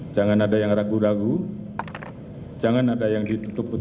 jangan ada yang ragu ragu jangan ada yang ditutup tutup